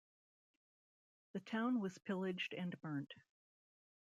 The town was pillaged and burnt.